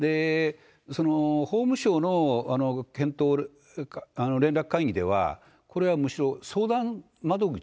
その法務省の検討連絡会議では、これはむしろ相談窓口。